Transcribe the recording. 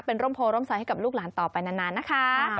เป็นร่มโพร่มใสให้กับลูกหลานต่อไปนานนะคะ